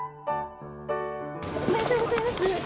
おめでとうございます。